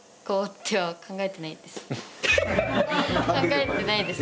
考えてないです。